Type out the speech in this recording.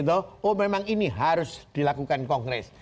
oh memang ini harus dilakukan kongres